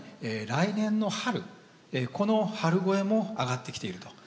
来年の春この春肥も上がってきていると。